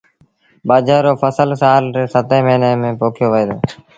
ٻآجھر رو ڦسل سآل ري ستيٚن موهيݩي ميݩ پوکيو وهي دو۔